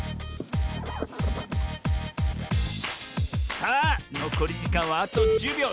さあのこりじかんはあと１０びょう。